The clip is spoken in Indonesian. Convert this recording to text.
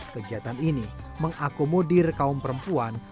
kegiatan ini mengakomodir kaum perempuan